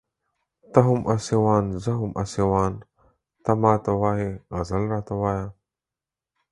ته هم اسيوان زه هم اسيوان ته ما ته وايې غزل راته ووايه